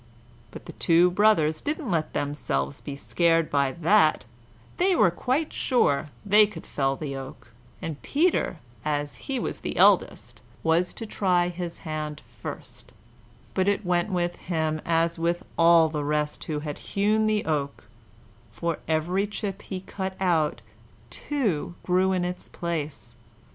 But the two brothers didn't let themselves be scared by that; they were quite sure they could fell the oak, and Peter, as he was eldest, was to try his hand first; but it went with him as with all the rest who had hewn at the oak; for every chip he cut out, two grew in its place.